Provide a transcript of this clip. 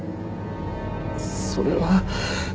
それは。